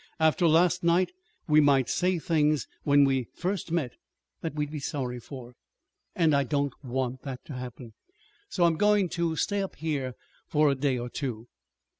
After last night, we might say things when we first met that we'd be sorry for. And I don't want that to happen. So I'm going to stay up here for a day or two.